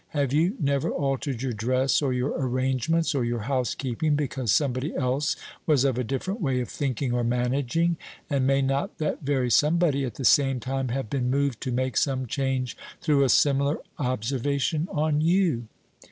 Have you never altered your dress, or your arrangements, or your housekeeping because somebody else was of a different way of thinking or managing and may not that very somebody at the same time have been moved to make some change through a similar observation on you?